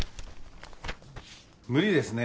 無理ですね